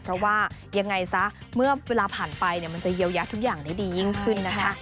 เพราะว่ายังไงซะเมื่อเวลาผ่านไปมันจะเยียวยาทุกอย่างได้ดียิ่งขึ้นนะคะ